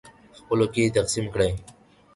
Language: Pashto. خپلو کې یې تقسیم کړئ.